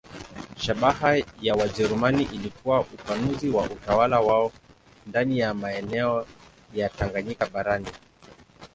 Shabaha ya Wajerumani ilikuwa upanuzi wa utawala wao ndani ya maeneo ya Tanganyika barani.